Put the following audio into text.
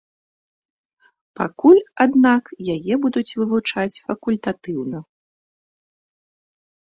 Пакуль, аднак, яе будуць вывучаць факультатыўна.